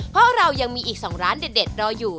เพราะเรายังมีอีก๒ร้านเด็ดรออยู่